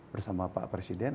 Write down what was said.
bersama pak presiden